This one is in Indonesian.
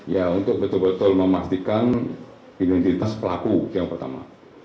ya untuk betul betul memastikan identitas pelaku yang pertama